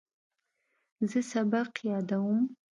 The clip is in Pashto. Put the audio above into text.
زه سبق یادوم.